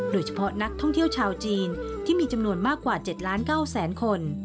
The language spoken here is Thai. โดยเฉพาะนักท่องเที่ยวชาวจีนที่มีจำนวนมากกว่า๗ล้าน๙แสนคน